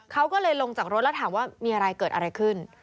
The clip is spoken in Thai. เขาก็เลยลงจากรถแล้วถามว่ามีอะไรเกิดอะไรขึ้น